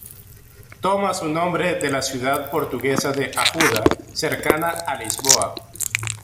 Toma su nombre de la ciudad portuguesa de Ajuda, cercana a Lisboa.